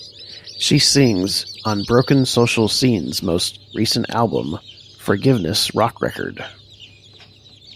She sings on Broken Social Scene's most recent album "Forgiveness Rock Record".